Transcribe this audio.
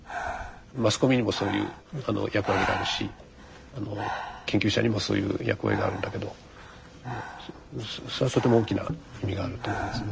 マスコミにもそういう役割があるし研究者にもそういう役割があるんだけどそれはとても大きな意味があると思いますね。